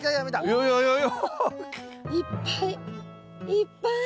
いっぱい。